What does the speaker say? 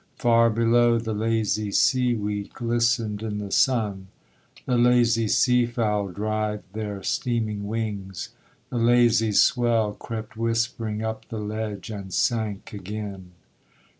Far below The lazy sea weed glistened in the sun; The lazy sea fowl dried their steaming wings; The lazy swell crept whispering up the ledge, And sank again.